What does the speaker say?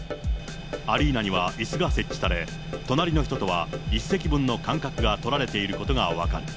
アリーナにはいすが設置され、隣の人とは１席分の間隔が取られていることが分かる。